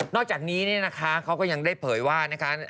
อกจากนี้เนี่ยนะคะเขาก็ยังได้เผยว่านะคะ